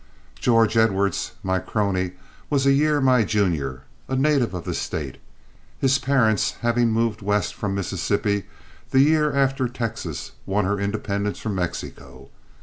George Edwards, my crony, was a year my junior, a native of the State, his parents having moved west from Mississippi the year after Texas won her independence from Mexico.